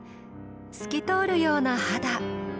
透き通るような肌。